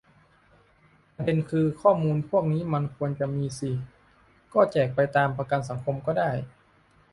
ประเด็นคือ ข้อมูลพวกนี้มันควรจะมีสิ ก็แจกไปตามประกันสังคมก็ได้